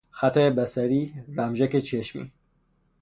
خطای بصری، رمژکچشمی